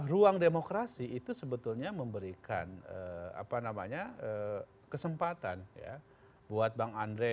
ruang demokrasi itu sebetulnya memberikan kesempatan ya buat bang andre